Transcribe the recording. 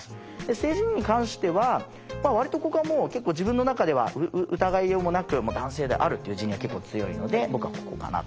性自認に関しては割とここはもう結構自分の中では疑いようもなく男性であるという自認は結構強いので僕はここかなと。